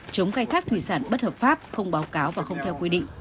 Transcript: chống khai thác thủy sản bất hợp pháp không báo cáo và không theo quy định